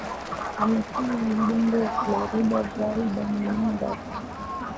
amesema mbunge wa Florida Val Demingas